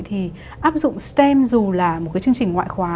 thì áp dụng stem dù là một cái chương trình ngoại khóa